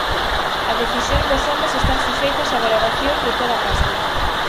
As decisións dos homes están suxeitas a valoracións de toda caste.